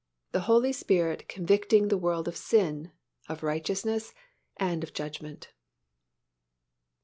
THE HOLY SPIRIT CONVICTING THE WORLD OF SIN, OF RIGHTEOUSNESS AND OF JUDGMENT.